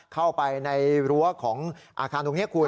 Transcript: เข้าไปในรั้วของอาคารตรงนี้คุณ